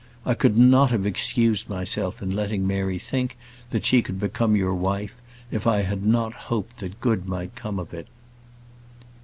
I could not have excused myself in letting Mary think that she could become your wife if I had not hoped that good might come of it."